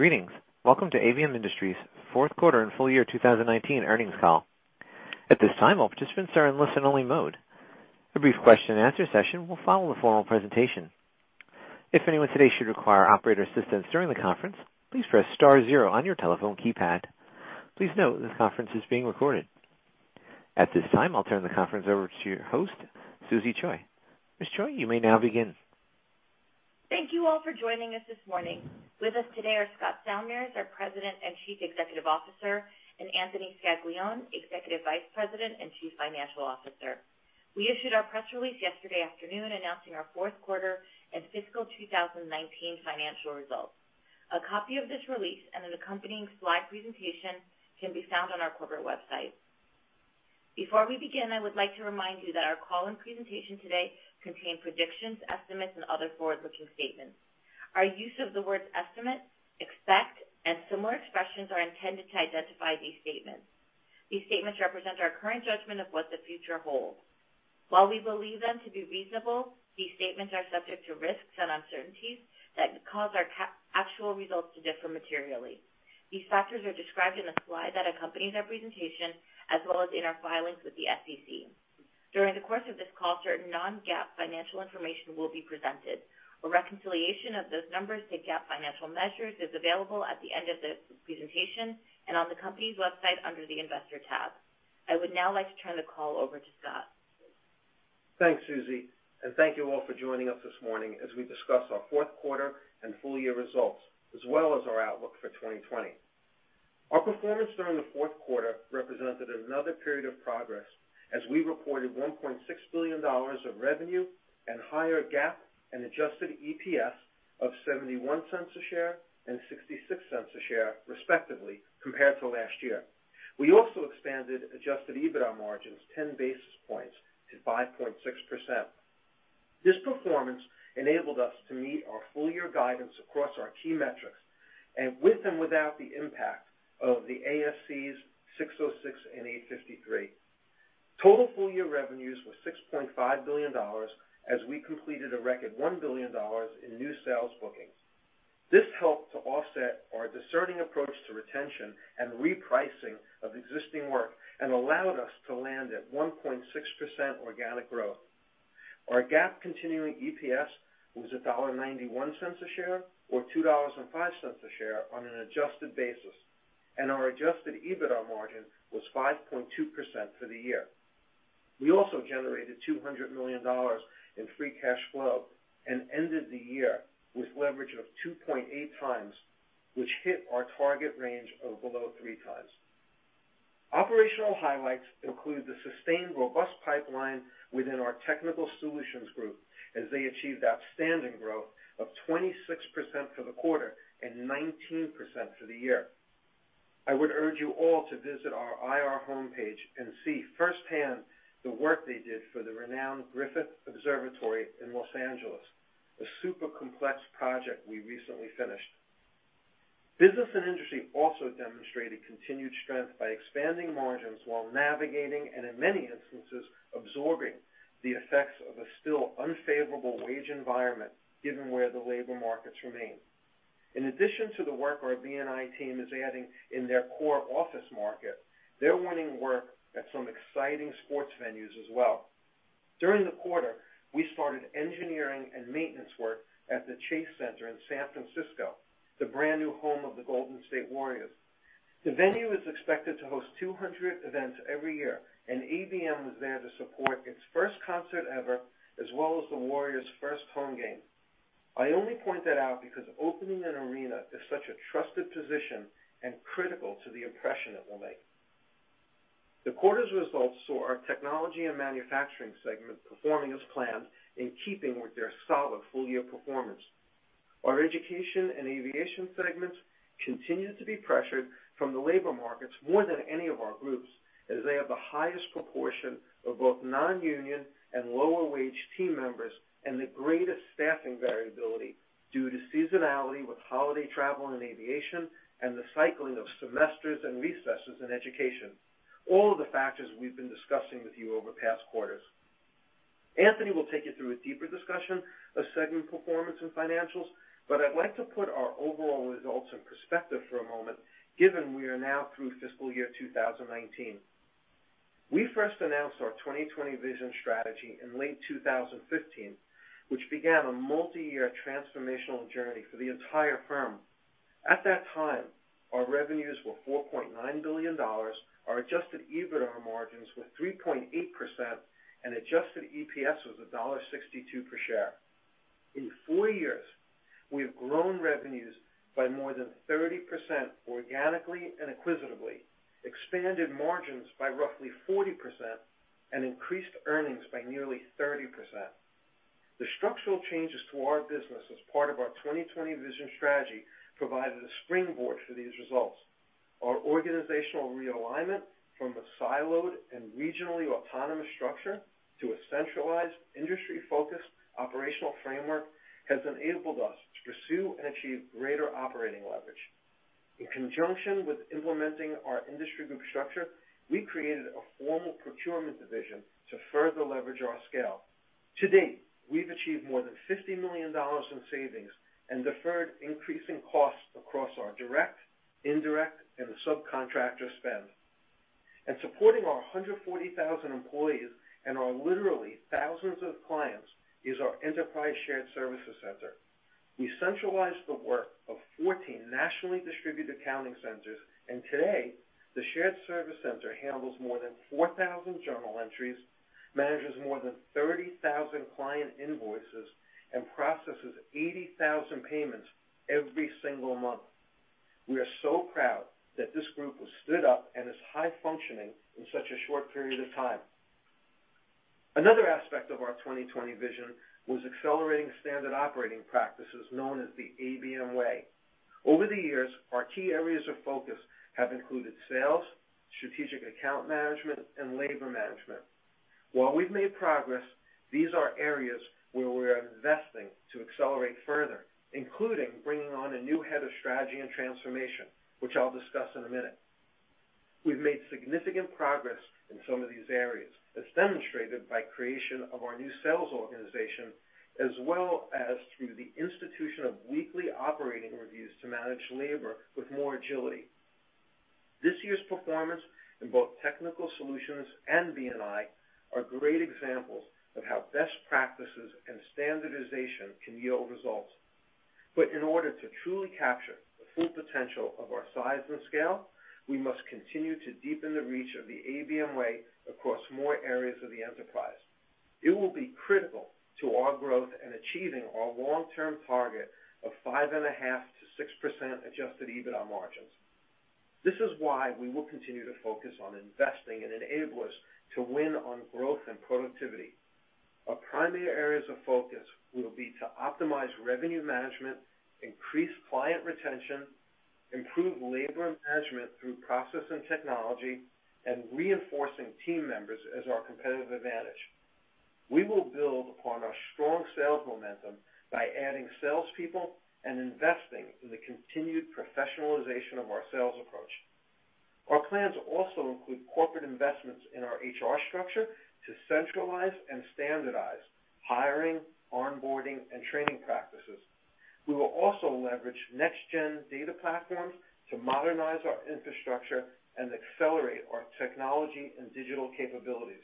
Greetings. Welcome to ABM Industries' fourth quarter and full year 2019 earnings call. At this time, all participants are in listen-only mode. A brief question and answer session will follow the formal presentation. If anyone today should require operator assistance during the conference, please press star zero on your telephone keypad. Please note this conference is being recorded. At this time, I'll turn the conference over to your host, Susie Choi. Ms. Choi, you may now begin. Thank you all for joining us this morning. With us today are Scott Salmirs, our President and Chief Executive Officer, and Anthony Scaglione, Executive Vice President and Chief Financial Officer. We issued our press release yesterday afternoon announcing our fourth quarter and fiscal 2019 financial results. A copy of this release and an accompanying slide presentation can be found on our corporate website. Before we begin, I would like to remind you that our call and presentation today contain predictions, estimates, and other forward-looking statements. Our use of the words estimate, expect, and similar expressions are intended to identify these statements. These statements represent our current judgment of what the future holds. While we believe them to be reasonable, these statements are subject to risks and uncertainties that could cause our actual results to differ materially. These factors are described in the slide that accompanies our presentation, as well as in our filings with the SEC. During the course of this call, certain non-GAAP financial information will be presented. A reconciliation of those numbers to GAAP financial measures is available at the end of the presentation and on the company's website under the Investor tab. I would now like to turn the call over to Scott. Thanks, Susie, and thank you all for joining us this morning as we discuss our fourth quarter and full-year results, as well as our outlook for 2020. Our performance during the fourth quarter represented another period of progress as we reported $1.6 billion of revenue and higher GAAP and adjusted EPS of $0.71 a share and $0.66 a share, respectively, compared to last year. We also expanded adjusted EBITDA margins 10 basis points to 5.6%. This performance enabled us to meet our full-year guidance across our key metrics and with and without the impact of the ASC 606 and 853. Total full-year revenues were $6.5 billion as we completed a record $1 billion in new sales bookings. This helped to offset our discerning approach to retention and repricing of existing work and allowed us to land at 1.6% organic growth. Our GAAP continuing EPS was $1.91 a share, or $2.05 a share on an adjusted basis, and our adjusted EBITDA margin was 5.2% for the year. We also generated $200 million in free cash flow and ended the year with leverage of 2.8 times, which hit our target range of below three times. Operational highlights include the sustained robust pipeline within our Technical Solutions Group as they achieved outstanding growth of 26% for the quarter and 19% for the year. I would urge you all to visit our IR homepage and see firsthand the work they did for the renowned Griffith Observatory in Los Angeles, a super complex project we recently finished. Business & Industry also demonstrated continued strength by expanding margins while navigating, and in many instances, absorbing the effects of a still unfavorable wage environment given where the labor markets remain. In addition to the work our B&I team is adding in their core office market, they're winning work at some exciting sports venues as well. During the quarter, we started engineering and maintenance work at the Chase Center in San Francisco, the brand-new home of the Golden State Warriors. The venue is expected to host 200 events every year, and ABM was there to support its first concert ever, as well as the Warriors' first home game. I only point that out because opening an arena is such a trusted position and critical to the impression it will make. The quarter's results saw our Technology & Manufacturing segment performing as planned in keeping with their solid full-year performance. Our Education and Aviation segments continue to be pressured from the labor markets more than any of our groups, as they have the highest proportion of both non-union and lower-wage team members and the greatest staffing variability due to seasonality with holiday travel and Aviation and the cycling of semesters and recesses in Education. All of the factors we've been discussing with you over past quarters. Anthony will take you through a deeper discussion of segment performance and financials, but I'd like to put our overall results in perspective for a moment, given we are now through fiscal year 2019. We first announced our 2020 Vision strategy in late 2015, which began a multi-year transformational journey for the entire firm. At that time, our revenues were $4.9 billion, our adjusted EBITDA margins were 3.8%, and adjusted EPS was $1.62 per share. In four years, we have grown revenues by more than 30% organically and acquisitively, expanded margins by roughly 40%, and increased earnings by nearly 30%. The structural changes to our business as part of our Vision 2020 strategy provided a springboard for these results. Our organizational realignment from the siloed and regionally autonomous structure to a centralized, industry-focused operational framework has enabled us to pursue and achieve greater operating leverage. In conjunction with implementing our industry group structure, we created a formal procurement division to further leverage our scale. To date, we've achieved more than $50 million in savings and deferred increasing costs across our direct, indirect, and subcontractor spend. Supporting our 140,000 employees and our literally thousands of clients is our enterprise shared services center. We centralized the work of 14 nationally distributed accounting centers, and today, the shared service center handles more than 4,000 journal entries, manages more than 30,000 client invoices, and processes 80,000 payments every single month. We are so proud that this group was stood up and is high functioning in such a short period of time. Another aspect of our 2020 Vision was accelerating standard operating practices known as the ABM Way. Over the years, our key areas of focus have included sales, strategic account management, and labor management. While we've made progress, these are areas where we are investing to accelerate further, including bringing on a new head of strategy and transformation, which I'll discuss in a minute. We've made significant progress in some of these areas, as demonstrated by creation of our new sales organization, as well as through the institution of weekly operating reviews to manage labor with more agility. This year's performance in both Technical Solutions and B&I are great examples of how best practices and standardization can yield results. In order to truly capture the full potential of our size and scale, we must continue to deepen the reach of the ABM Way across more areas of the enterprise. It will be critical to our growth and achieving our long-term target of 5.5%-6% adjusted EBITDA margins. This is why we will continue to focus on investing in enablers to win on growth and productivity. Our primary areas of focus will be to optimize revenue management, increase client retention, improve labor and management through process and technology, and reinforcing team members as our competitive advantage. We will build upon our strong sales momentum by adding salespeople and investing in the continued professionalization of our sales approach. Our plans also include corporate investments in our HR structure to centralize and standardize hiring, onboarding, and training practices. We will also leverage next-gen data platforms to modernize our infrastructure and accelerate our technology and digital capabilities.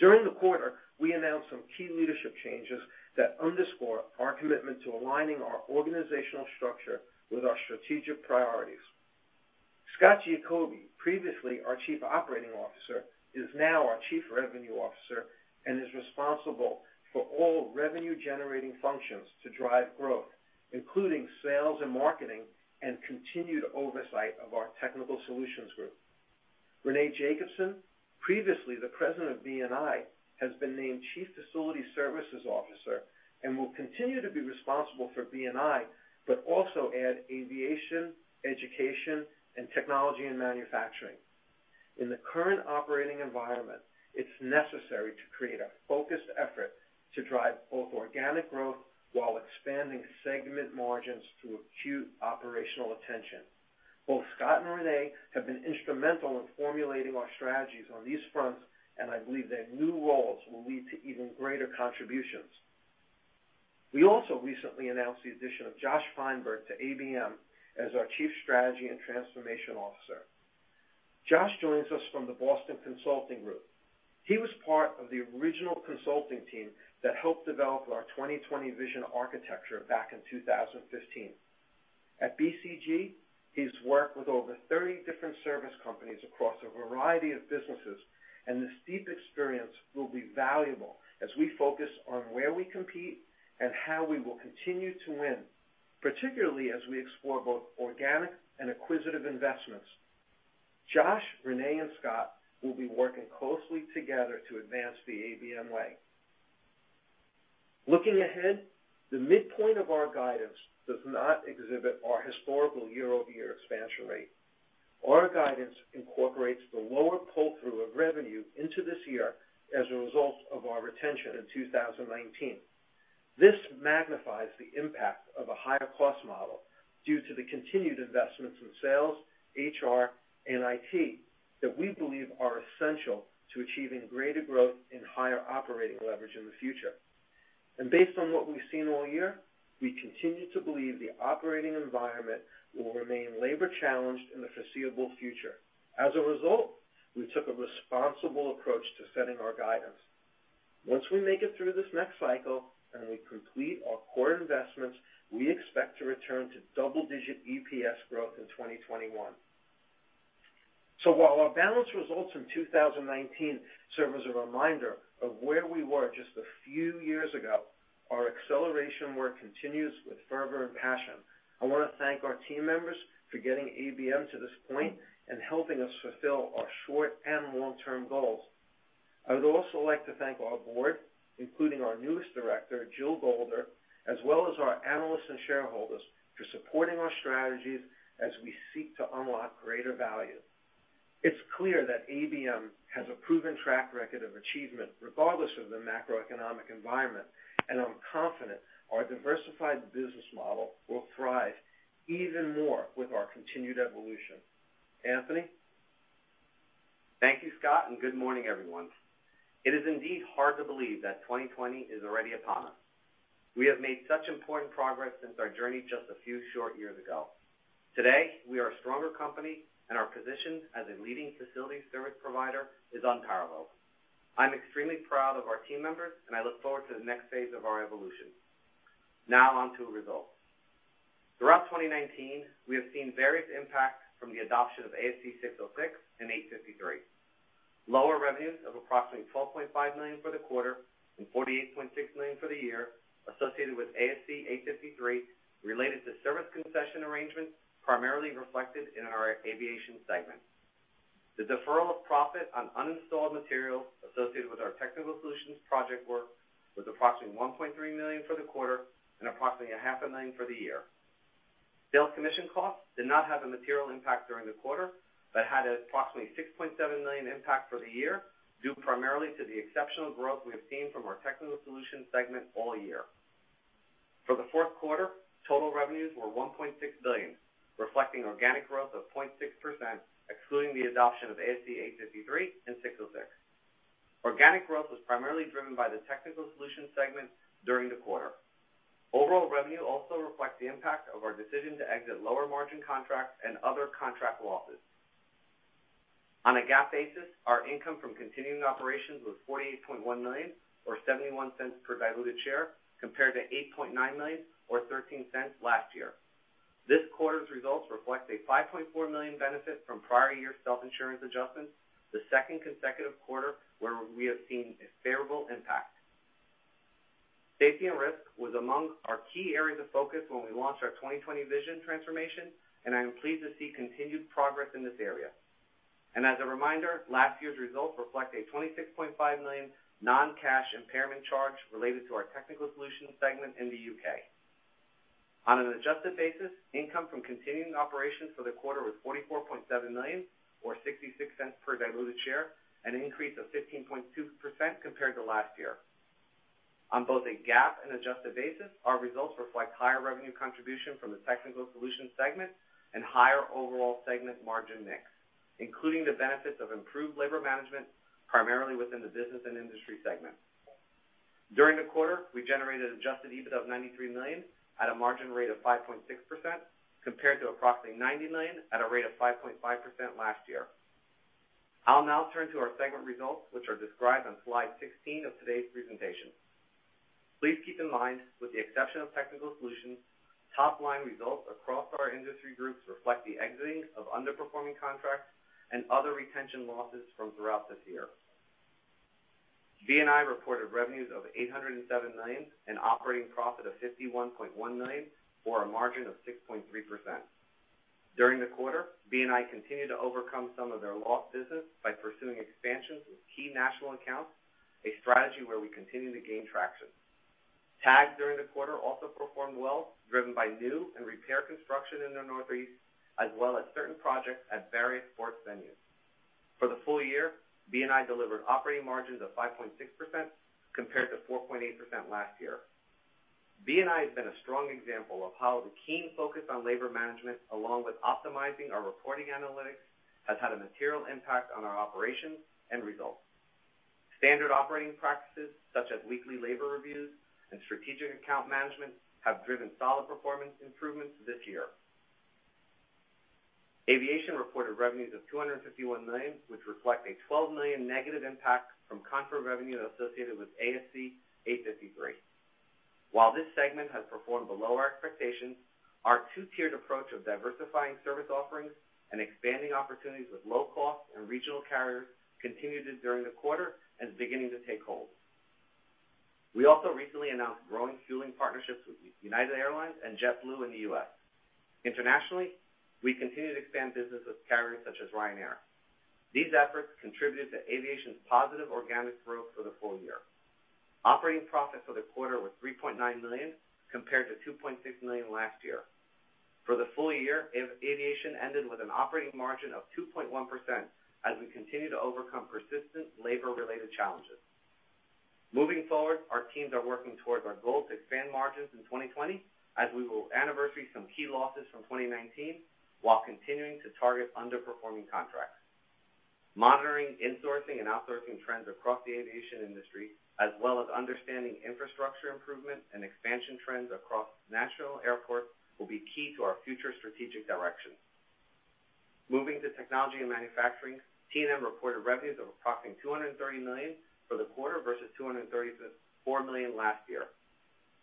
During the quarter, we announced some key leadership changes that underscore our commitment to aligning our organizational structure with our strategic priorities. Scott Giacobbe, previously our Chief Operating Officer, is now our Chief Revenue Officer and is responsible for all revenue-generating functions to drive growth, including sales and marketing and continued oversight of our Technical Solutions Group. Rene Jacobsen, previously the President of B&I, has been named Chief Facility Services Officer and will continue to be responsible for B&I, but also add Aviation, Education, and Technology & Manufacturing. In the current operating environment, it's necessary to create a focused effort to drive both organic growth while expanding segment margins through acute operational attention. Both Scott and Rene have been instrumental in formulating our strategies on these fronts, and I believe their new roles will lead to even greater contributions. We also recently announced the addition of Josh Feinberg to ABM as our Chief Strategy and Transformation Officer. Josh joins us from the Boston Consulting Group. He was part of the original consulting team that helped develop our 2020 Vision architecture back in 2015. At BCG, he's worked with over 30 different service companies across a variety of businesses, and this deep experience will be valuable as we focus on where we compete and how we will continue to win, particularly as we explore both organic and acquisitive investments. Josh, Rene, and Scott will be working closely together to advance the ABM Way. Looking ahead, the midpoint of our guidance does not exhibit our historical year-over-year expansion rate. Our guidance incorporates the lower pull-through of revenue into this year as a result of our retention in 2019. This magnifies the impact of a higher cost model due to the continued investments in sales, HR, and IT that we believe are essential to achieving greater growth and higher operating leverage in the future. Based on what we've seen all year, we continue to believe the operating environment will remain labor-challenged in the foreseeable future. As a result, we took a responsible approach to setting our guidance. Once we make it through this next cycle and we complete our core investments, we expect to return to double-digit EPS growth in 2021. While our balanced results in 2019 serve as a reminder of where we were just a few years ago, our acceleration work continues with fervor and passion. I want to thank our team members for getting ABM to this point and helping us fulfill our short- and long-term goals. I would also like to thank our board, including our newest director, Jill Golder, as well as our analysts and shareholders, for supporting our strategies as we seek to unlock greater value. It's clear that ABM has a proven track record of achievement regardless of the macroeconomic environment, and I'm confident our diversified business model will thrive even more with our continued evolution. Anthony? Thank you, Scott, and good morning, everyone. It is indeed hard to believe that 2020 is already upon us. We have made such important progress since our journey just a few short years ago. Today, we are a stronger company and our position as a leading facility service provider is unparalleled. I'm extremely proud of our team members, and I look forward to the next phase of our evolution. Now on to results. Throughout 2019, we have seen various impacts from the adoption of ASC 606 and 853. Lower revenues of approximately $12.5 million for the quarter and $48.6 million for the year associated with ASC 853 related to service concession arrangements, primarily reflected in our Aviation segment. The deferral of profit on uninstalled materials associated with our Technical Solutions project work was approximately $1.3 million for the quarter and approximately a half a million for the year. Sales commission costs did not have a material impact during the quarter but had approximately $6.7 million impact for the year, due primarily to the exceptional growth we have seen from our Technical Solutions segment all year. For the fourth quarter, total revenues were $1.6 billion, reflecting organic growth of 0.6%, excluding the adoption of ASC 853 and 606. Organic growth was primarily driven by the Technical Solutions segment during the quarter. Overall revenue also reflects the impact of our decision to exit lower-margin contracts and other contract losses. On a GAAP basis, our income from continuing operations was $48.1 million or $0.71 per diluted share compared to $8.9 million or $0.13 last year. This quarter's results reflect a $5.4 million benefit from prior year self-insurance adjustments, the second consecutive quarter where we have seen a favorable impact. Safety and risk was among our key areas of focus when we launched our 2020 Vision transformation, and I am pleased to see continued progress in this area. As a reminder, last year's results reflect a $26.5 million non-cash impairment charge related to our Technical Solutions segment in the U.K. On an adjusted basis, income from continuing operations for the quarter was $44.7 million or $0.66 per diluted share, an increase of 15.2% compared to last year. On both a GAAP and adjusted basis, our results reflect higher revenue contribution from the Technical Solutions segment and higher overall segment margin mix, including the benefits of improved labor management, primarily within the Business & Industry segment. During the quarter, we generated adjusted EBITDA of $93 million at a margin rate of 5.6%, compared to approximately $90 million at a rate of 5.5% last year. I'll now turn to our segment results, which are described on slide 16 of today's presentation. Please keep in mind, with the exception of Technical Solutions, top-line results across our industry groups reflect the exiting of underperforming contracts and other retention losses from throughout this year. B&I reported revenues of $807 million, an operating profit of $51.1 million or a margin of 6.3%. During the quarter, B&I continued to overcome some of their lost business by pursuing expansions with key national accounts, a strategy where we continue to gain traction. Technical Solutions during the quarter also performed well, driven by new and repair construction in the Northeast, as well as certain projects at various sports venues. For the full year, B&I delivered operating margins of 5.6% compared to 4.8% last year. B&I has been a strong example of how the keen focus on labor management, along with optimizing our reporting analytics, has had a material impact on our operations and results. Standard operating practices such as weekly labor reviews and strategic account management have driven solid performance improvements this year. Aviation reported revenues of $251 million, which reflect a $12 million negative impact from contract revenue associated with ASC 853. While this segment has performed below our expectations, our two-tiered approach of diversifying service offerings and expanding opportunities with low-cost and regional carriers continued during the quarter and is beginning to take hold. We also recently announced growing fueling partnerships with United Airlines and JetBlue in the U.S. Internationally, we continue to expand business with carriers such as Ryanair. These efforts contributed to Aviation's positive organic growth for the full year. Operating profit for the quarter was $3.9 million compared to $2.6 million last year. For the full year, Aviation ended with an operating margin of 2.1% as we continue to overcome persistent labor-related challenges. Moving forward, our teams are working towards our goal to expand margins in 2020 as we will anniversary some key losses from 2019 while continuing to target underperforming contracts. Monitoring insourcing and outsourcing trends across the aviation industry, as well as understanding infrastructure improvement and expansion trends across national airports will be key to our future strategic direction. Moving to Technology & Manufacturing, T&M reported revenues of approximately $230 million for the quarter versus $234 million last year.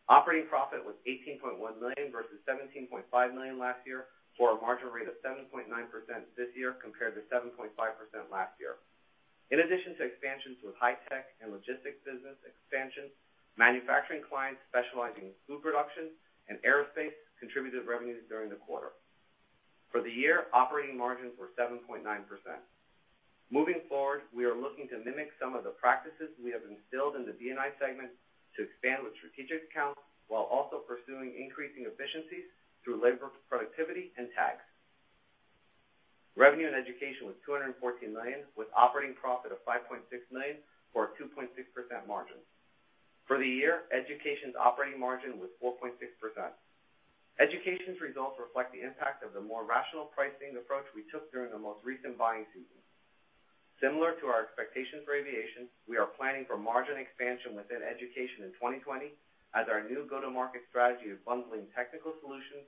Operating profit was $18.1 million versus $17.5 million last year, for a margin rate of 7.9% this year compared to 7.5% last year. In addition to expansions with high tech and logistics business expansions, manufacturing clients specializing in food production and aerospace contributed revenues during the quarter. For the year, operating margins were 7.9%. Moving forward, we are looking to mimic some of the practices we have instilled in the B&I segment to expand with strategic accounts while also pursuing increasing efficiencies through labor productivity and tax. Revenue and Education was $214 million, with operating profit of $5.6 million or 2.6% margin. For the year, Education's operating margin was 4.6%. Education's results reflect the impact of the more rational pricing approach we took during the most recent buying season. Similar to our expectations for Aviation, we are planning for margin expansion within Education in 2020 as our new go-to-market strategy of bundling Technical Solutions,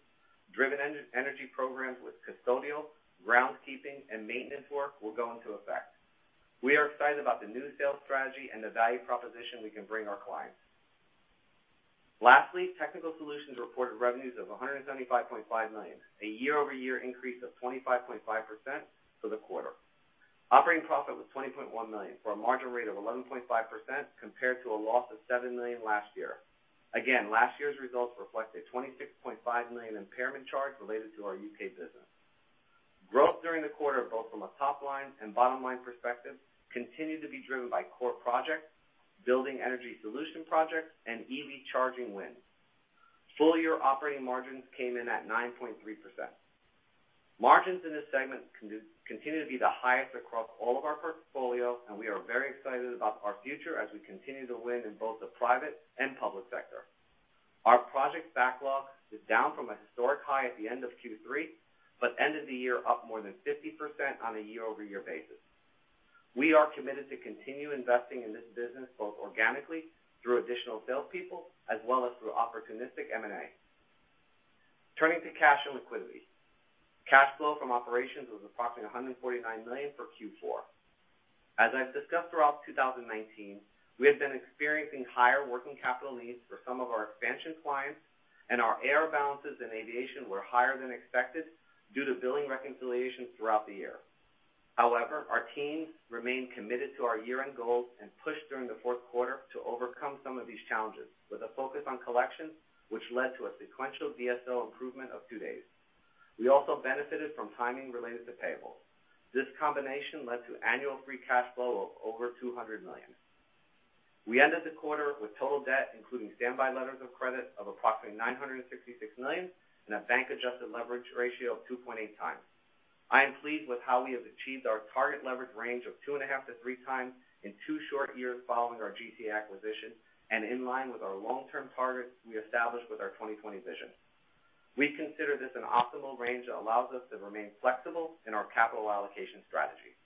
driven energy programs with custodial grounds keeping and maintenance work will go into effect. We are excited about the new sales strategy and the value proposition we can bring our clients. Lastly, Technical Solutions reported revenues of $175.5 million, a year-over-year increase of 25.5% for the quarter. Operating profit was $20.1 million for a margin rate of 11.5%, compared to a loss of $7 million last year. Again, last year's results reflect a $26.5 million impairment charge related to our U.K. business. Growth during the quarter, both from a top-line and bottom-line perspective, continued to be driven by core projects, building energy solution projects, and EV charging wins. Full-year operating margins came in at 9.3%. Margins in this segment continue to be the highest across all of our portfolio, and we are very excited about our future as we continue to win in both the private and public sector. Our project backlog is down from a historic high at the end of Q3, but end of the year up more than 50% on a year-over-year basis. We are committed to continue investing in this business, both organically through additional salespeople as well as through opportunistic M&A. Turning to cash and liquidity. Cash flow from operations was approximately $149 million for Q4. As I've discussed throughout 2019, we have been experiencing higher working capital needs for some of our expansion clients, and our AR balances in Aviation were higher than expected due to billing reconciliation throughout the year. However, our teams remain committed to our year-end goals and pushed during the fourth quarter to overcome some of these challenges with a focus on collections, which led to a sequential DSO improvement of two days. We also benefited from timing related to payables. This combination led to annual free cash flow of over $200 million. We ended the quarter with total debt, including standby letters of credit, of approximately $966 million and a bank adjusted leverage ratio of 2.8 times. I am pleased with how we have achieved our target leverage range of two and a half to three times in two short years following our GCA acquisition and in line with our long-term targets we established with our 2020 Vision. We consider this an optimal range that allows us to remain flexible in our capital allocation strategy.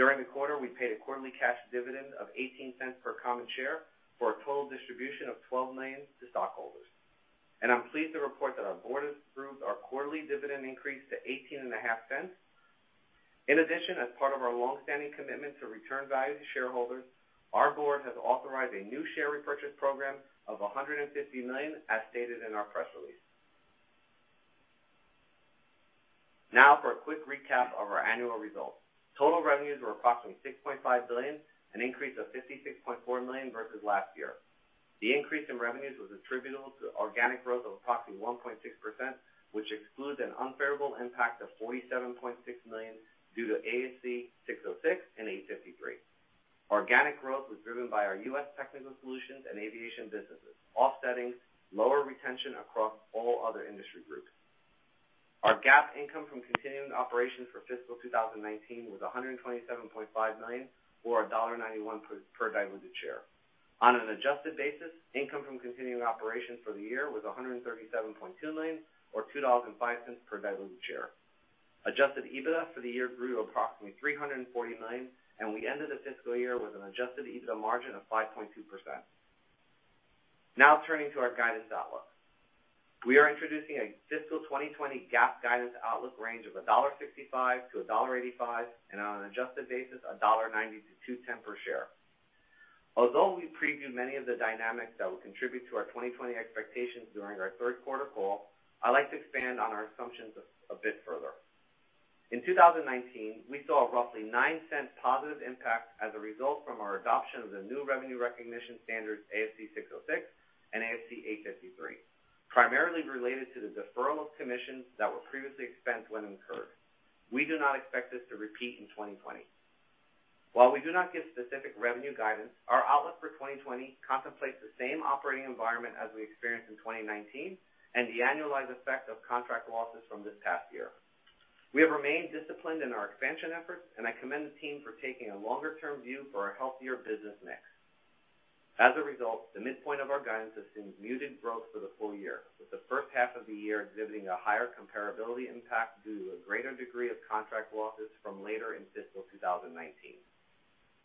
During the quarter, we paid a quarterly cash dividend of $0.18 per common share for a total distribution of $12 million to stockholders. I'm pleased to report that our board has approved our quarterly dividend increase to $0.185. In addition, as part of our longstanding commitment to return value to shareholders, our board has authorized a new share repurchase program of $150 million, as stated in our press release. Now for a quick recap of our annual results. Total revenues were approximately $6.5 billion, an increase of $56.4 million versus last year. The increase in revenues was attributable to organic growth of approximately 1.6%, which excludes an unfavorable impact of $47.6 million due to ASC 606 and 853. Organic growth was driven by our U.S. Technical Solutions and Aviation businesses, offsetting lower retention across all other industry groups. Our GAAP income from continuing operations for fiscal 2019 was $127.5 million, or $1.91 per diluted share. On an adjusted basis, income from continuing operations for the year was $137.2 million, or $2.05 per diluted share. Adjusted EBITDA for the year grew to approximately $340 million, and we ended the fiscal year with an adjusted EBITDA margin of 5.2%. Turning to our guidance outlook. We are introducing a fiscal 2020 GAAP guidance outlook range of $1.65-$1.85, and on an adjusted basis, $1.90-$2.10 per share. Although we previewed many of the dynamics that will contribute to our 2020 expectations during our third quarter call, I'd like to expand on our assumptions a bit further. In 2019, we saw a roughly $0.09 positive impact as a result from our adoption of the new revenue recognition standards, ASC 606 and ASC 853, primarily related to the deferral of commissions that were previously expensed when incurred. We do not expect this to repeat in 2020. While we do not give specific revenue guidance, our outlook for 2020 contemplates the same operating environment as we experienced in 2019 and the annualized effect of contract losses from this past year. We have remained disciplined in our expansion efforts, and I commend the team for taking a longer term view for a healthier business mix. As a result, the midpoint of our guidance assumes muted growth for the full year, with the first half of the year exhibiting a higher comparability impact due to a greater degree of contract losses from later in fiscal 2019.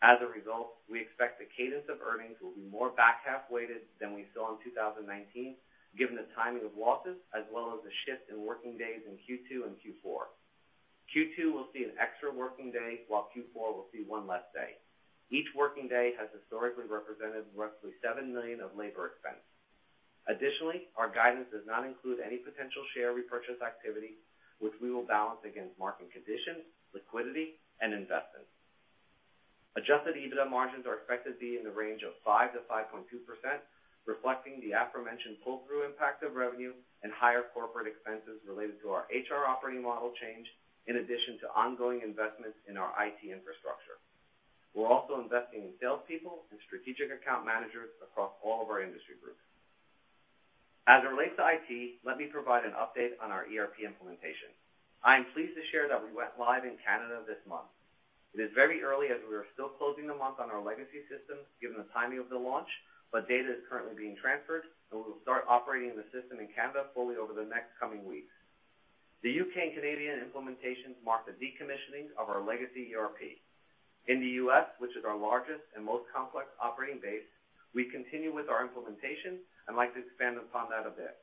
As a result, we expect the cadence of earnings will be more back half weighted than we saw in 2019, given the timing of losses as well as the shift in working days in Q2 and Q4. Q2 will see an extra working day while Q4 will see one less day. Each working day has historically represented roughly $7 million of labor expense. Additionally, our guidance does not include any potential share repurchase activity, which we will balance against market conditions, liquidity, and investment. Adjusted EBITDA margins are expected to be in the range of 5%-5.2%, reflecting the aforementioned pull-through impact of revenue and higher corporate expenses related to our HR operating model change, in addition to ongoing investments in our IT infrastructure. We're also investing in salespeople and strategic account managers across all of our industry groups. As it relates to IT, let me provide an update on our ERP implementation. I am pleased to share that we went live in Canada this month. It is very early as we are still closing the month on our legacy systems, given the timing of the launch, but data is currently being transferred, and we will start operating the system in Canada fully over the next coming weeks. The U.K. and Canadian implementations mark the decommissioning of our legacy ERP. In the U.S., which is our largest and most complex operating base, we continue with our implementation. I'd like to expand upon that a bit.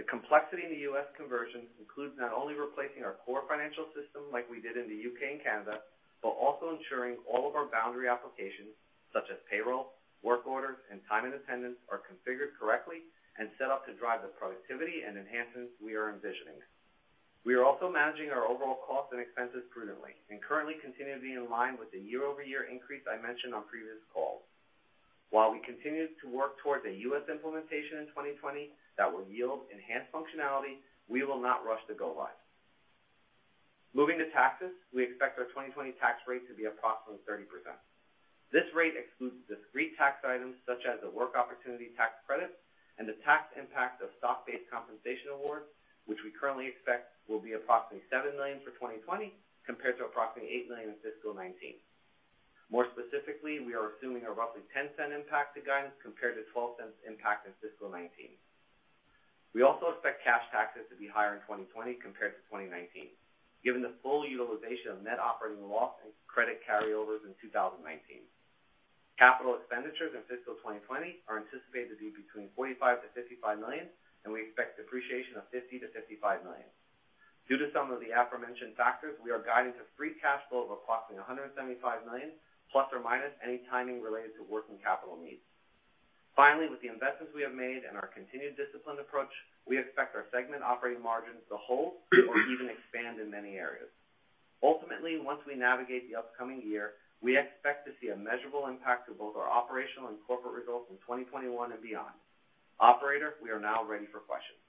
The complexity in the U.S. conversion includes not only replacing our core financial system like we did in the U.K. and Canada, but also ensuring all of our boundary applications, such as payroll, work orders, and time and attendance, are configured correctly and set up to drive the productivity and enhancements we are envisioning. We are also managing our overall cost and expenses prudently and currently continue to be in line with the year-over-year increase I mentioned on previous calls. While we continue to work towards a U.S. implementation in 2020 that will yield enhanced functionality, we will not rush to go live. Moving to taxes, we expect our 2020 tax rate to be approximately 30%. This rate excludes discrete tax items such as the Work Opportunity Tax Credit and the tax impact of stock-based compensation awards, which we currently expect will be approximately $7 million for 2020 compared to approximately $8 million in fiscal 2019. More specifically, we are assuming a roughly $0.10 impact to guidance compared to $0.12 impact in fiscal 2019. We also expect cash taxes to be higher in 2020 compared to 2019, given the full utilization of net operating loss and credit carryovers in 2019. Capital expenditures in fiscal 2020 are anticipated to be between $45 million-$55 million, and we expect depreciation of $50 million-$55 million. Due to some of the aforementioned factors, we are guiding to free cash flow of approximately $175 million, plus or minus any timing related to working capital needs. Finally, with the investments we have made and our continued disciplined approach, we expect our segment operating margins to hold or even expand in many areas. Ultimately, once we navigate the upcoming year, we expect to see a measurable impact to both our operational and corporate results in 2020 and beyond. Operator, we are now ready for questions.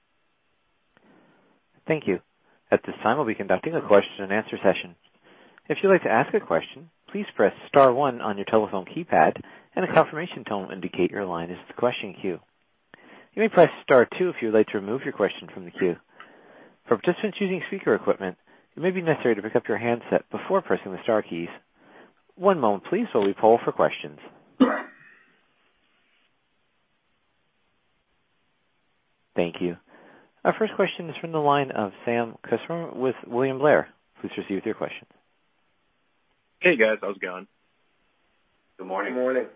Thank you. At this time, we'll be conducting a question and answer session. If you'd like to ask a question, please press *1 on your telephone keypad, and a confirmation tone will indicate your line is in the question queue. You may press *2 if you would like to remove your question from the queue. For participants using speaker equipment, it may be necessary to pick up your handset before pressing the star keys. One moment, please, while we poll for questions. Thank you. Our first question is from the line of Sam Kusswurm with William Blair. Please proceed with your question. Hey, guys. How's it going? Good morning. Good morning.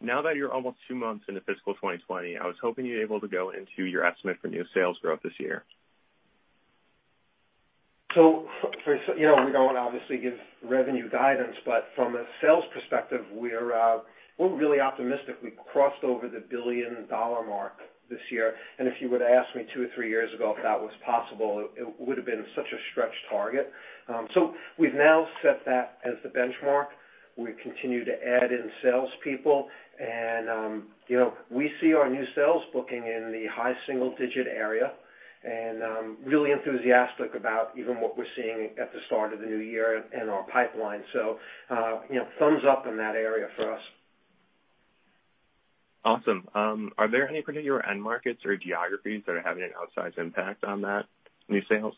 Now that you're almost two months into fiscal 2020, I was hoping you'd be able to go into your estimate for new sales growth this year? We don't obviously give revenue guidance, but from a sales perspective, we're really optimistic. We crossed over the billion-dollar mark this year, and if you would've asked me two or three years ago if that was possible, it would've been such a stretched target. We've now set that as the benchmark. We continue to add in salespeople, and we see our new sales booking in the high single-digit area and really enthusiastic about even what we're seeing at the start of the new year in our pipeline. Thumbs up in that area for us. Awesome. Are there any particular end markets or geographies that are having an outsized impact on that new sales?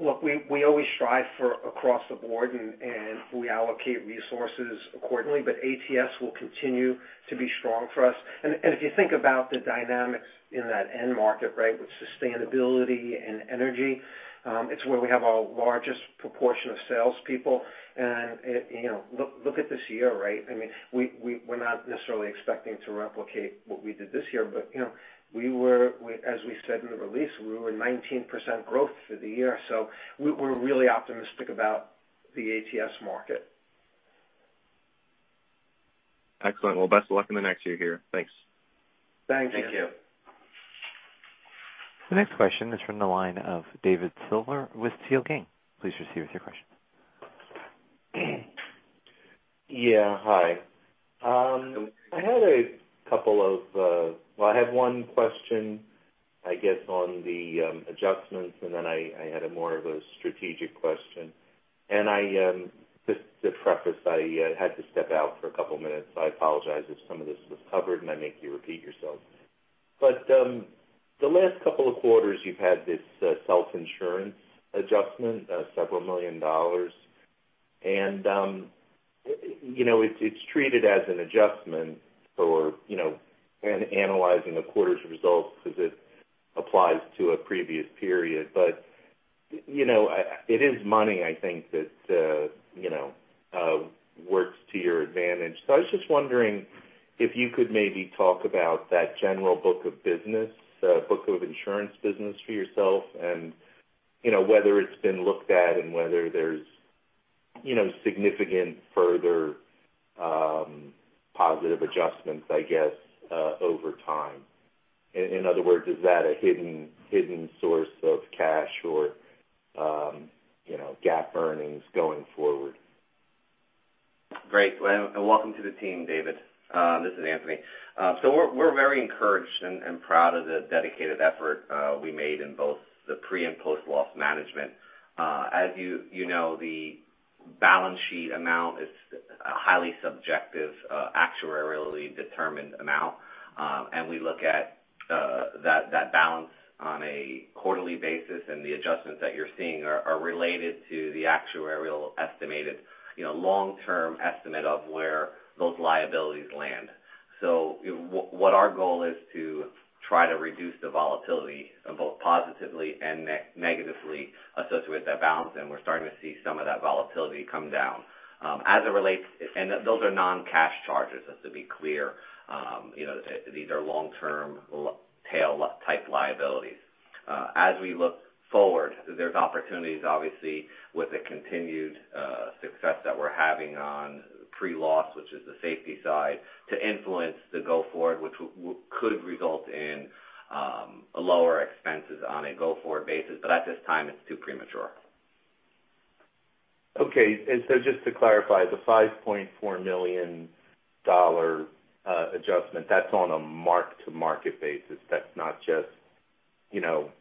Look, we always strive for across the board, and we allocate resources accordingly, but ATS will continue to be strong for us. If you think about the dynamics in that end market, right, with sustainability and energy, it's where we have our largest proportion of salespeople. Look at this year, right? We're not necessarily expecting to replicate what we did this year, but as we said in the release, we were in 19% growth for the year. We're really optimistic about the ATS market. Excellent. Well, best of luck in the next year here. Thanks. Thanks. Thank you. The next question is from the line of David Silver with C.L. King. Please proceed with your question. Yeah. Hi. I had a couple of Well, I have one question, I guess, on the adjustments, then I had a more of a strategic question. Just to preface, I had to step out for a couple of minutes. I apologize if some of this was covered, and I make you repeat yourselves. The last couple of quarters, you've had this self-insurance adjustment of $several million, and it's treated as an adjustment for analyzing a quarter's results because it applies to a previous period. It is money, I think, that works to your advantage. I was just wondering if you could maybe talk about that general book of business, book of insurance business for yourself, and whether it's been looked at and whether there's significant further positive adjustments, I guess, over time. In other words, is that a hidden source of cash or GAAP earnings going forward? Great. Welcome to the team, David. This is Anthony. We're very encouraged and proud of the dedicated effort we made in both the pre- and post-loss management. As you know, the balance sheet amount is a highly subjective, actuarially determined amount. We look at that balance on a quarterly basis, and the adjustments that you're seeing are related to the actuarial estimated, long-term estimate of where those liabilities land. What our goal is to try to reduce the volatility of both positively and negatively associated with that balance, We're starting to see some of that volatility come down. Those are non-cash charges, just to be clear. These are long-term tail-type liabilities. As we look forward, there's opportunities, obviously, with the continued success that we're having on pre-loss, which is the safety side, to influence the go-forward, which could result in lower expenses on a go-forward basis. At this time, it's too premature. Okay. Just to clarify, the $5.4 million adjustment, that's on a mark-to-market basis. That's not just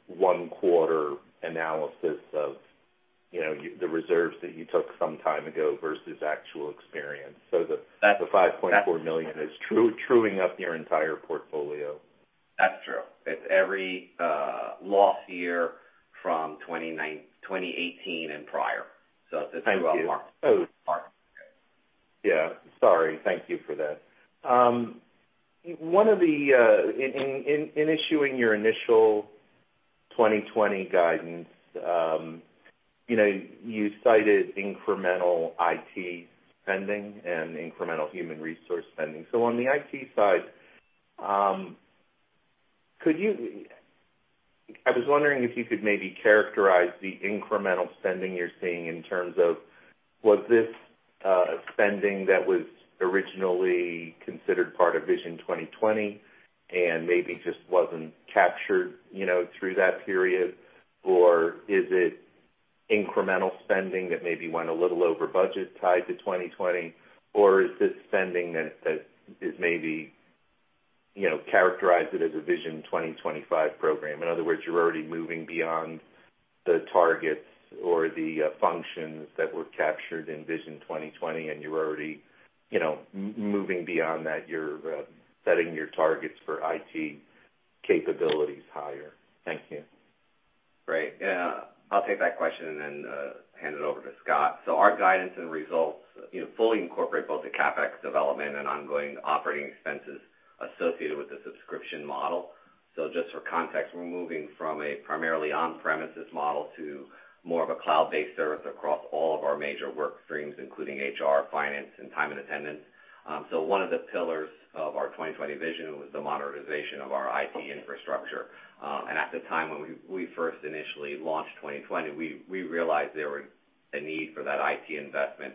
one-quarter analysis of the reserves that you took some time ago versus actual experience. That's- $5.4 million is truing up your entire portfolio. That's true. It's every loss year from 2018 and prior. Thank you. throughout market. Yeah. Sorry. Thank you for that. In issuing your initial 2020 guidance, you cited incremental IT spending and incremental human resource spending. On the IT side, I was wondering if you could maybe characterize the incremental spending you're seeing in terms of was this spending that was originally considered part of Vision 2020 and maybe just wasn't captured through that period, or is it incremental spending that maybe went a little over budget tied to 2020, or is this spending that is maybe characterized as a Vision 2025 program? In other words, you're already moving beyond the targets or the functions that were captured in Vision 2020, and you're already moving beyond that. You're setting your targets for IT capabilities higher. Thank you. Great. I'll take that question and then hand it over to Scott. Our guidance and results fully incorporate both the CapEx development and ongoing operating expenses associated with the subscription model. Just for context, we're moving from a primarily on-premises model to more of a cloud-based service across all of our major work streams, including HR, finance, and time and attendance. One of the pillars of our 2020 Vision was the modernization of our IT infrastructure. At the time when we first initially launched 2020, we realized there was a need for that IT investment.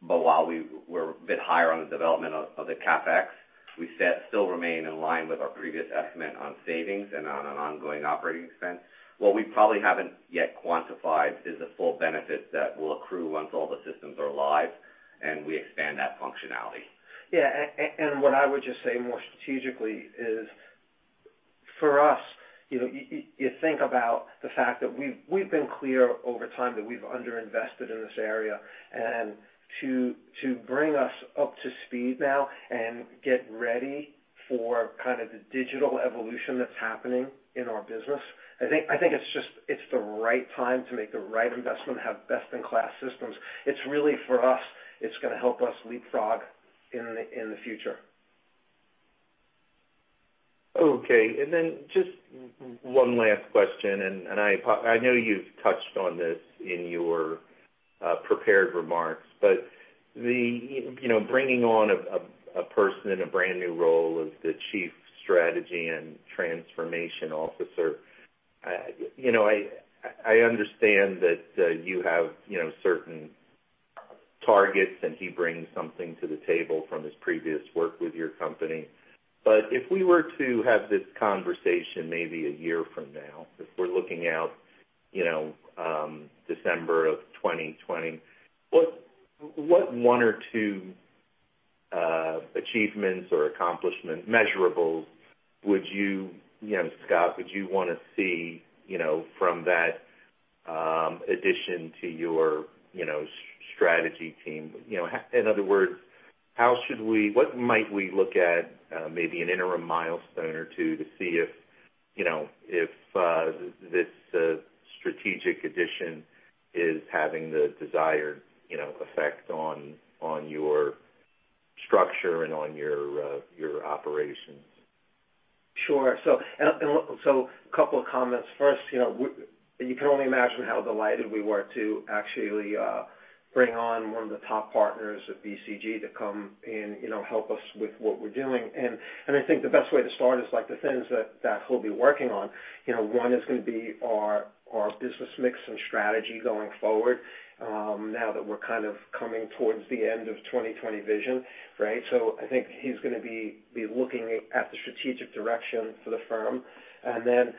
While we were a bit higher on the development of the CapEx, we still remain in line with our previous estimate on savings and on an ongoing operating expense. What we probably haven't yet quantified is the full benefit that will accrue once all the systems are live, and we expand that functionality. Yeah, what I would just say more strategically is, for us, you think about the fact that we've been clear over time that we've under-invested in this area. To bring us up to speed now and get ready for kind of the digital evolution that's happening in our business, I think it's the right time to make the right investment, have best-in-class systems. It's really, for us, it's going to help us leapfrog in the future. Okay, just one last question, and I know you've touched on this in your prepared remarks, but bringing on a person in a brand-new role as the Chief Strategy and Transformation Officer, I understand that you have certain targets, and he brings something to the table from his previous work with your company. If we were to have this conversation maybe a year from now, if we're looking out December of 2020, what one or two achievements or accomplishments, measurables, Scott, would you want to see from that addition to your strategy team? In other words, what might we look at, maybe an interim milestone or two, to see if this strategic addition is having the desired effect on your structure and on your operations? Sure. A couple of comments. First. You can only imagine how delighted we were to actually bring on one of the top partners of BCG to come and help us with what we're doing. I think the best way to start is the things that he'll be working on. One is going to be our business mix and strategy going forward, now that we're coming towards the end of 2020 Vision. I think he's going to be looking at the strategic direction for the firm, and then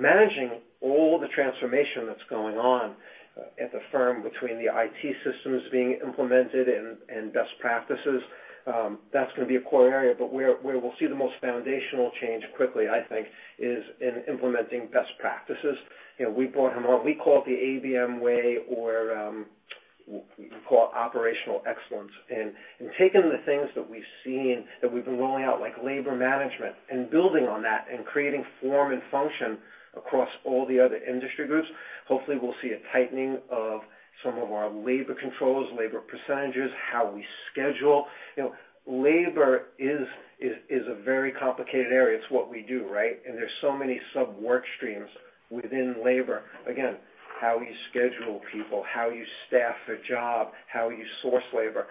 managing all the transformation that's going on at the firm between the IT systems being implemented and best practices. That's going to be a core area. Where we'll see the most foundational change quickly, I think, is in implementing best practices. We brought him on, we call it the ABM Way, or we call it operational excellence. In taking the things that we've seen, that we've been rolling out, like labor management, and building on that and creating form and function across all the other industry groups. Hopefully, we'll see a tightening of some of our labor controls, labor percentages, how we schedule. Labor is a very complicated area. It's what we do. There's so many sub-work streams within labor. Again, how you schedule people, how you staff a job, how you source labor.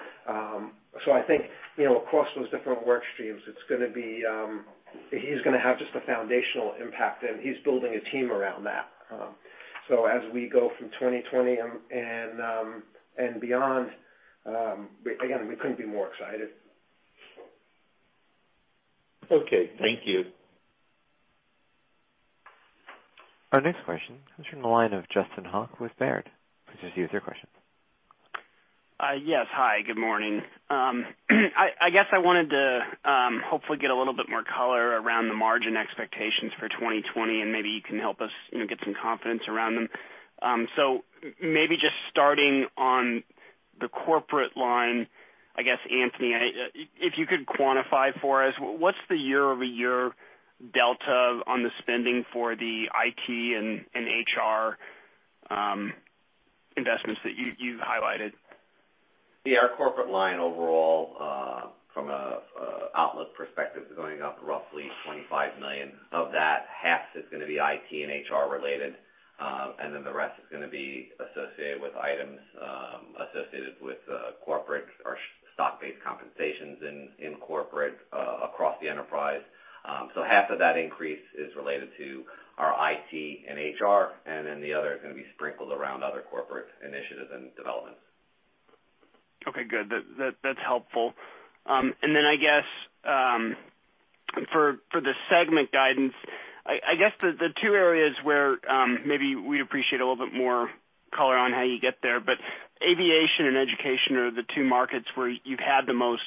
I think, across those different work streams, he's going to have just a foundational impact, and he's building a team around that. As we go from 2020 and beyond, again, we couldn't be more excited. Okay. Thank you. Our next question comes from the line of Justin Hauke with Baird. Please proceed with your question. Yes. Hi, good morning. I guess I wanted to hopefully get a little bit more color around the margin expectations for 2020, and maybe you can help us get some confidence around them. Maybe just starting on the corporate line, I guess, Anthony, if you could quantify for us what's the year-over-year delta on the spending for the IT and HR investments that you've highlighted? Yeah, our corporate line overall, from an outlook perspective, is going up roughly $25 million. Of that, half is going to be IT and HR related. The rest is going to be associated with items associated with corporate or stock-based compensations in corporate across the enterprise. Half of that increase is related to our IT and HR, and then the other is going to be sprinkled around other corporate initiatives and developments. Okay, good. That's helpful. Then I guess for the segment guidance, I guess the two areas where maybe we'd appreciate a little bit more color on how you get there. Aviation and Education are the two markets where you've had the most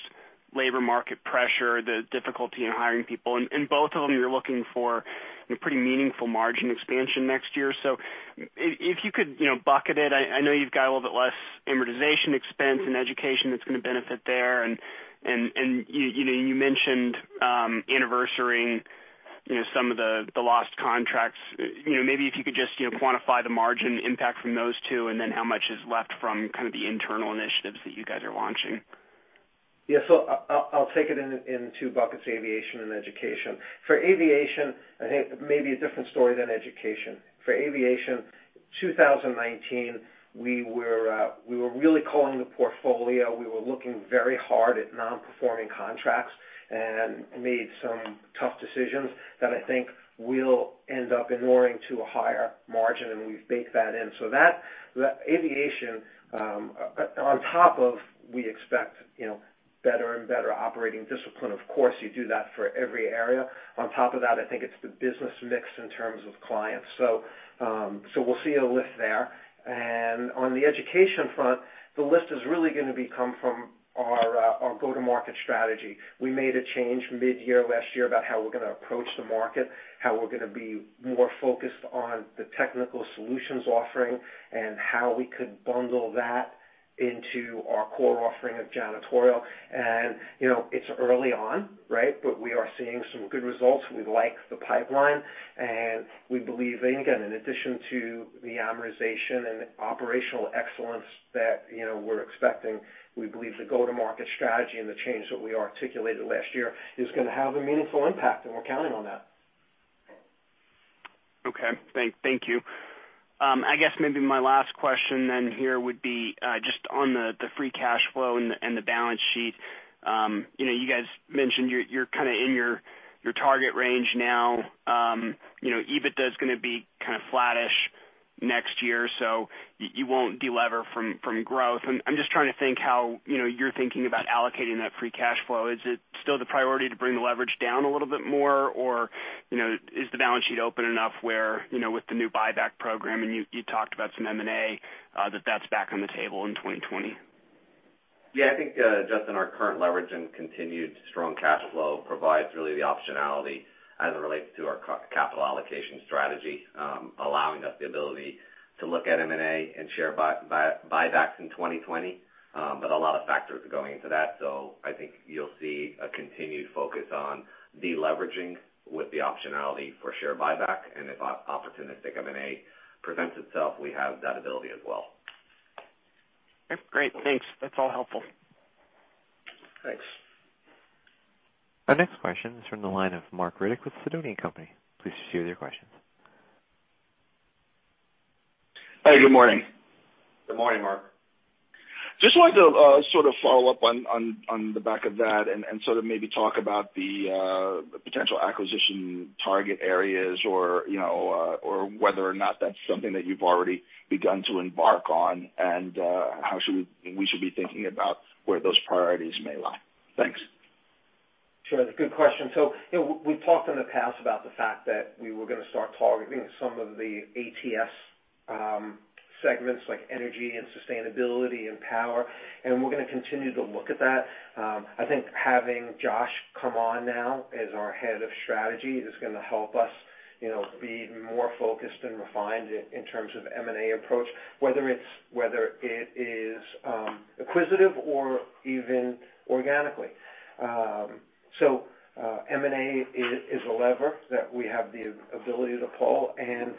labor market pressure, the difficulty in hiring people. In both of them, you're looking for pretty meaningful margin expansion next year. If you could bucket it, I know you've got a little bit less amortization expense in Education that's going to benefit there. You mentioned anniversarying some of the lost contracts. Maybe if you could just quantify the margin impact from those two, and then how much is left from the internal initiatives that you guys are launching. Yeah. I'll take it in two buckets, Aviation and Education. For Aviation, I think maybe a different story than Education. For Aviation, 2019, we were really culling the portfolio. We were looking very hard at non-performing contracts and made some tough decisions that I think will end up in redounding to a higher margin, and we've baked that in. That Aviation, on top of, we expect better and better operating discipline. Of course, you do that for every area. On top of that, I think it's the business mix in terms of clients. We'll see a lift there. On the Education front, the lift is really going to come from our go-to-market strategy. We made a change mid-year last year about how we're going to approach the market, how we're going to be more focused on the technical solutions offering, and how we could bundle that into our core offering of janitorial. It's early on, but we are seeing some good results. We like the pipeline, and we believe, again, in addition to the amortization and operational excellence that we're expecting, we believe the go-to-market strategy and the change that we articulated last year is going to have a meaningful impact, and we're counting on that. Okay. Thank you. I guess maybe my last question here would be just on the free cash flow and the balance sheet. You guys mentioned you're kind of in your target range now. EBITDA is going to be kind of flattish next year. You won't de-lever from growth. I'm just trying to think how you're thinking about allocating that free cash flow. Is it still the priority to bring the leverage down a little bit more? Or is the balance sheet open enough where with the new buyback program, and you talked about some M&A, that that's back on the table in 2020? Yeah, I think, Justin, our current leverage and continued strong cash flow provides really the optionality as it relates to our capital allocation strategy, allowing us the ability to look at M&A and share buybacks in 2020. A lot of factors are going into that. I think you'll see a continued focus on de-leveraging with the optionality for share buyback. If opportunistic M&A presents itself, we have that ability as well. Great. Thanks. That's all helpful. Thanks. Our next question is from the line of Marc Riddick with Sidoti & Company. Please proceed with your questions. Hi, good morning. Good morning, Marc. Just wanted to sort of follow up on the back of that and sort of maybe talk about the potential acquisition target areas or whether or not that's something that you've already begun to embark on and how should we be thinking about where those priorities may lie? Thanks. Sure. That's a good question. We've talked in the past about the fact that we were going to start targeting some of the ATS segments, like energy and sustainability and power, and we're going to continue to look at that. I think having Josh come on now as our head of strategy is going to help us be more focused and refined in terms of M&A approach, whether it is acquisitive or even organically. M&A is a lever that we have the ability to pull and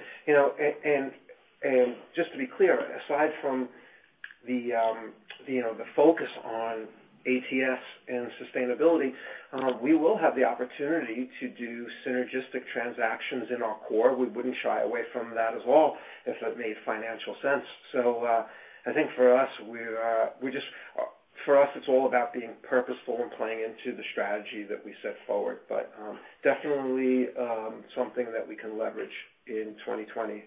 just to be clear, aside from the focus on ATS and sustainability, we will have the opportunity to do synergistic transactions in our core. We wouldn't shy away from that as well if it made financial sense. I think for us, it's all about being purposeful and playing into the strategy that we set forward. Definitely something that we can leverage in 2020.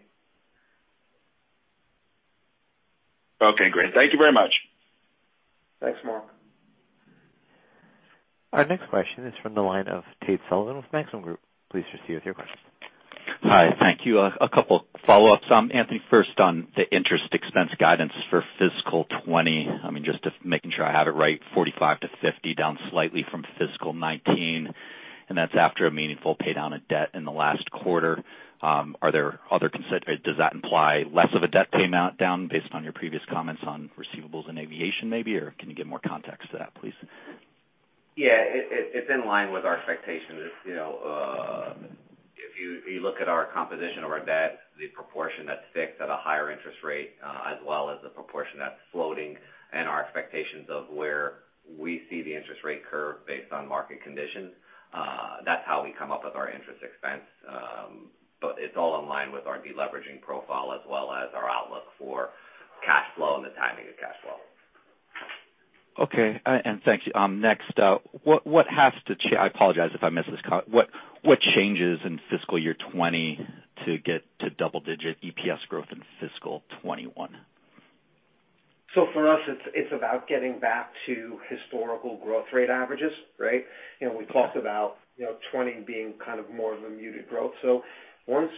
Okay, great. Thank you very much. Thanks, Marc. Our next question is from the line of Tate Sullivan with Maxim Group. Please proceed with your question. Hi. Thank you. A couple follow-ups. Anthony, first on the interest expense guidance for fiscal 2020. Just making sure I have it right, $45-$50, down slightly from fiscal 2019, and that's after a meaningful pay down of debt in the last quarter. Does that imply less of a debt pay down based on your previous comments on receivables in Aviation, maybe? Or can you give more context to that, please? Yeah. It's in line with our expectations. If you look at our composition of our debt, the proportion that's fixed at a higher interest rate, as well as the proportion that's floating, and our expectations of where we see the interest rate curve based on market conditions, that's how we come up with our interest expense. It's all in line with our de-leveraging profile as well as our outlook for cash flow and the timing of cash flow. Okay. Thank you. I apologize if I missed this. What changes in fiscal year 2020 to get to double-digit EPS growth in fiscal 2021? For us, it's about getting back to historical growth rate averages, right? We talked about 2020 being kind of more of a muted growth. Once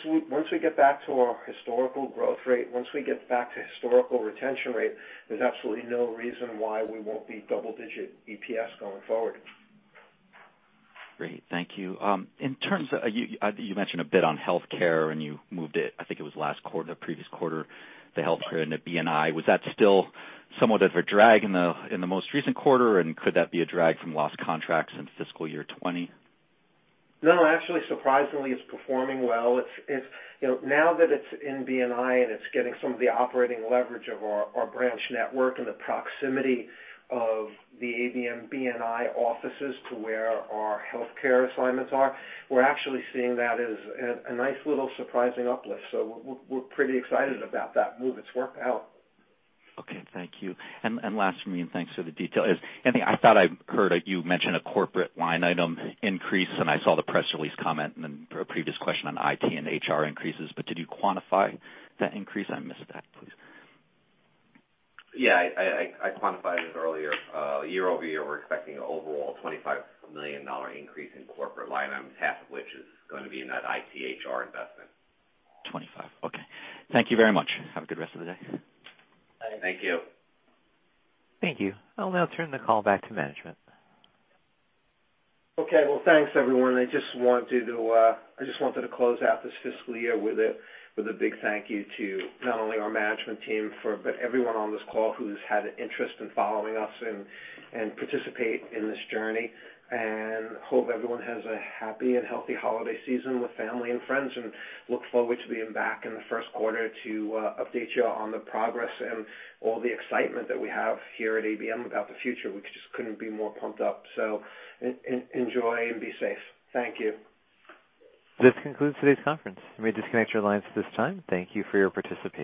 we get back to our historical growth rate, once we get back to historical retention rate, there's absolutely no reason why we won't be double-digit EPS going forward. Great. Thank you. You mentioned a bit on healthcare, and you moved it, I think it was last quarter, previous quarter, the healthcare into B&I. Was that still somewhat of a drag in the most recent quarter, and could that be a drag from lost contracts into fiscal year 2020? Actually, surprisingly, it's performing well. Now that it's in B&I and it's getting some of the operating leverage of our branch network and the proximity of the ABM B&I offices to where our healthcare assignments are, we're actually seeing that as a nice little surprising uplift. We're pretty excited about that move. It's worked out. Okay. Thank you. Last from me, and thanks for the detail is, Anthony, I thought I heard you mention a corporate line item increase, and I saw the press release comment and then a previous question on IT and HR increases. Did you quantify that increase? I missed that, please. Yeah. I quantified it earlier. Year-over-year, we're expecting an overall $25 million increase in corporate line items, half of which is going to be in that IT/HR investment. 25. Okay. Thank you very much. Have a good rest of the day. Thank you. Thank you. I'll now turn the call back to management. Okay. Well, thanks everyone. I just wanted to close out this fiscal year with a big thank you to not only our management team, but everyone on this call who's had an interest in following us and participate in this journey, and hope everyone has a happy and healthy holiday season with family and friends, and look forward to being back in the first quarter to update you all on the progress and all the excitement that we have here at ABM about the future. We just couldn't be more pumped up. Enjoy and be safe. Thank you. This concludes today's conference. You may disconnect your lines at this time. Thank you for your participation.